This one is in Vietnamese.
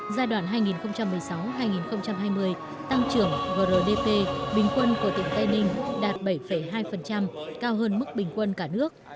giai đoạn hai nghìn một mươi sáu hai nghìn hai mươi tăng trưởng grdp bình quân của tỉnh tây ninh đạt bảy hai cao hơn mức bình quân cả nước